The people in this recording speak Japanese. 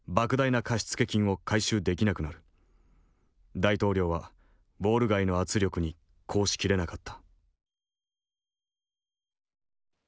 大統領はウォール街の圧力に抗しきれなかった。